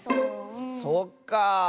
そっか。